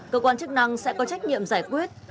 cơ quan chức năng sẽ có trách nhiệm giải quyết